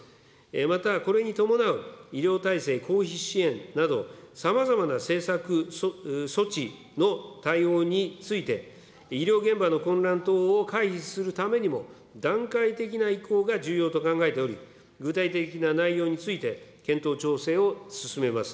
また、これに伴う医療体制公費支援など、さまざまな政策措置の対応について、医療現場の混乱等を回避するためにも、段階的に移行が重要と考えており、具体的な内容について検討、調整を進めます。